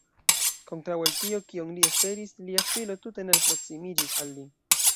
Kontraŭe al tio, kion li esperis, lia filo tute ne alproksimiĝis al li.